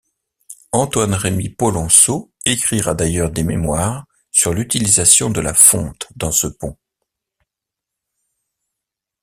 Antoine-Rémy Polonceau écrira d'ailleurs des mémoires sur l'utilisation de la fonte dans ce pont.